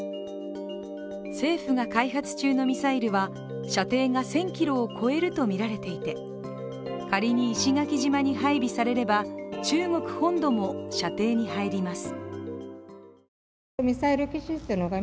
政府が開発中のミサイルは射程が１０００ｋｍを超えるとみられていて仮に石垣島に配備されれば中国本土も射程に入ります。